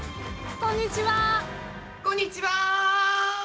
こんにちは。